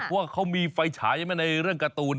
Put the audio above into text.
ว่าเขามีไฟฉายไหมในเรื่องการ์ตูน